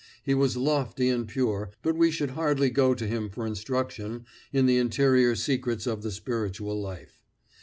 He was lofty and pure, but we should hardly go to him for instruction in the interior secrets of the spiritual life.